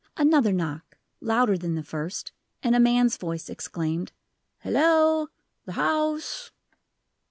Another knock louder than the first, and a man's voice exclaimed: "Hello the house!"